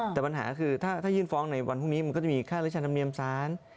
แต่ปัญหาคือถ้ายื่นฟ้องในวันพรุ่งนี้มันก็จะมีค่ารัชธรรมเนียมสาร